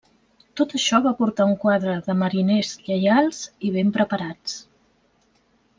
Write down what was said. Tot això va portar un quadre de mariners lleials i ben preparats.